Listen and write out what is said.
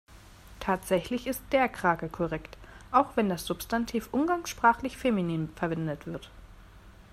Tatsächlich ist der Krake korrekt, auch wenn das Substantiv umgangssprachlich feminin verwendet wird.